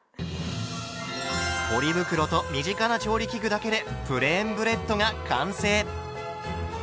ポリ袋と身近な調理器具だけでプレーンブレッドが完成。